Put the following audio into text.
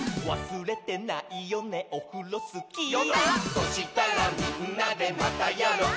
「そしたらみんなで『またやろう！』」